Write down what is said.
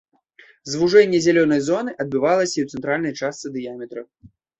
Звужэнне зялёнай зоны адбывалася і ў цэнтральнай частцы дыяметра.